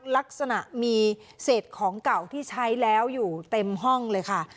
ลักษณะมีเศษของเก่าที่ใช้แล้วอยู่เต็มห้องเลยค่ะ